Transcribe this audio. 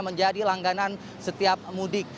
menjadi langganan setiap mudik